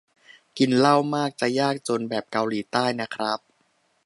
กินเหล้ามาก จะยากจนแบบเกาหลีใต้นะครับ